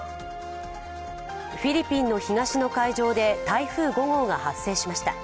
フィリピンの東の海上で台風５号が発生しました。